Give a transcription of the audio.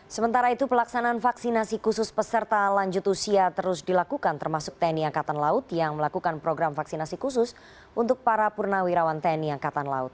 sementara itu pelaksanaan vaksinasi khusus peserta lanjut usia terus dilakukan termasuk tni angkatan laut yang melakukan program vaksinasi khusus untuk para purnawirawan tni angkatan laut